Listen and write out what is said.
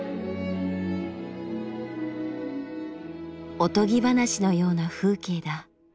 おとぎ話のような風景だ。